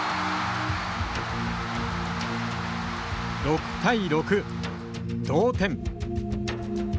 ６対６、同点。